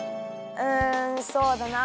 うんそうだな。